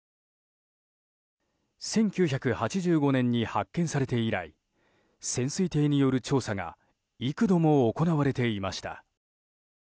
１９８５年に発見されて以来潜水艇による調査が幾度も行われていました。